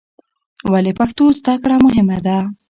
ولې پښتو زده کړه مهمه ده؟